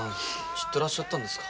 知ってらっしゃったんですか？